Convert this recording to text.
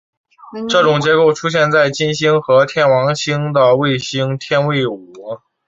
这种结构出现在金星和天王星的卫星天卫五。